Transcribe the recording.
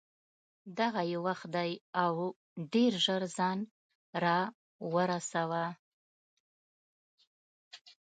دغه یې وخت دی او ډېر ژر ځان را ورسوه.